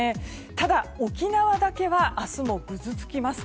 ただ、沖縄だけは明日もぐずつきます。